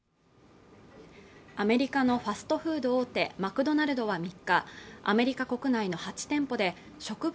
アメリカのファストフード大手マクドナルドは３日アメリカ国内の８店舗で植物